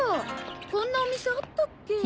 こんなお店あったっけ？